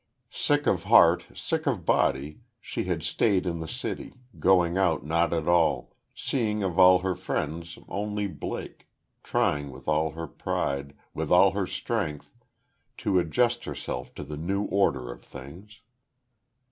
Sick of heart, sick of body, she had stayed in the city, going out not at all, seeing of all her friends only Blake, trying with all her pride, with all her strength, to adjust herself to the new order of things.